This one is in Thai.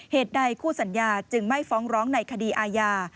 เหตุใดคู่สัญญาจึงไม่ฟ้องร้องในคดีอาญา